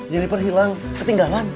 jeniper hilang ketinggalan